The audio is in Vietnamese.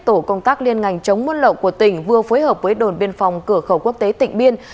tổ công tác liên ngành chống buôn lậu của tỉnh vừa phối hợp với đồn biên phòng cửa khẩu quốc tế tỉnh biên